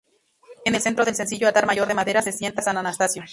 En el centro del sencillo altar mayor de madera, se sienta San Atanasio.